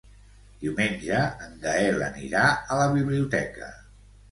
Diumenge en Gaël anirà a la biblioteca.